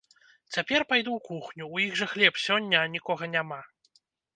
Цяпер пайду ў кухню, у іх жа хлеб сёння, а нікога няма.